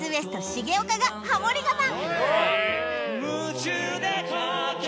重岡がハモリ我慢